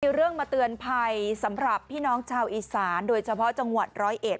มีเรื่องมาเตือนภัยสำหรับพี่น้องชาวอีสานโดยเฉพาะจังหวัดร้อยเอ็ด